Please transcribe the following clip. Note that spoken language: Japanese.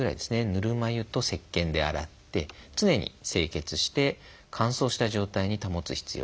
ぬるま湯とせっけんで洗って常に清潔にして乾燥した状態に保つ必要があります。